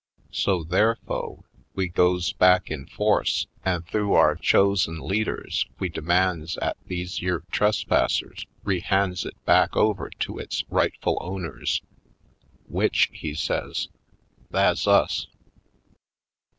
So, therefo', we goes back in force an' th'ough our chosen leaders we demands 'at these yere trespassers re hands it back over to its rightful owners, w'ich," he says, "tha's us."